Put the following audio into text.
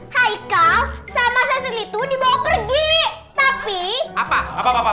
hai kau sama saya itu dibawa pergi tapi apa apa